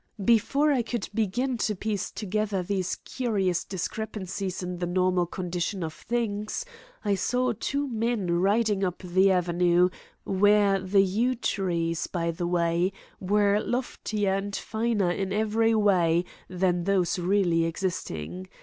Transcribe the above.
"Before I could begin to piece together these curious discrepancies in the normal condition of things, I saw two men riding up the avenue, where the yew trees, by the way, were loftier and finer in every way than those really existing.